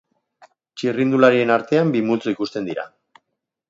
Txirrindularien artean bi multzo ikusten dira.